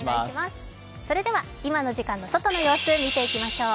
それでは今の時間の外の様子を見ていきましょう。